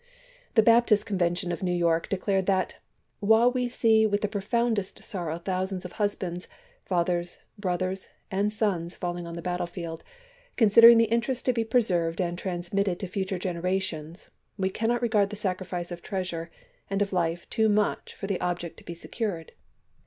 The Baptist Convention of New York declared that " While we see with the profoundest sorrow thousands of husbands, fathers, brothers, and sons falling on the battlefield, considering the interests to be preserved and transmitted to fu ture generations we cannot regard the sacrifice of treasure and of life too much for the object to be secured."